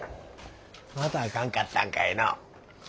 またあかんかったんかいのう？